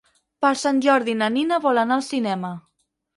Per Sant Jordi na Nina vol anar al cinema.